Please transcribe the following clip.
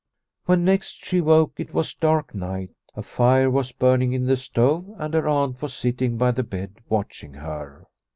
When next she woke it was dark night. A fire was burning in the stove, and her aunt was sitting by the bed watching her.